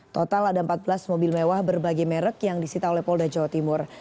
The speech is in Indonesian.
total ada empat belas mobil mewah berbagai merek yang disita oleh polda jawa timur